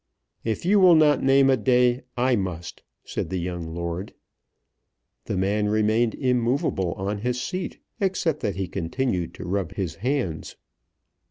"If you will not name a day, I must," said the young lord. The man remained immovable on his seat except that he continued to rub his hands.